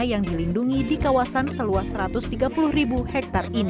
yang dilindungi di kawasan seluas satu ratus tiga puluh ribu hektare